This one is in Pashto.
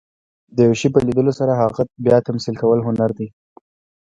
د یو شي په لیدلو سره هغه بیا تمثیل کول، هنر دئ.